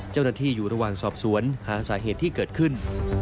เจ้าหน้าที่อยู่ระหว่างสอบสวนหาสาเหตุที่เกิดขึ้น